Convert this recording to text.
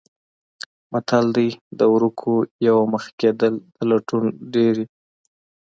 متل دی: د ورکو یوه مخه کېدل د لټون ډېرې.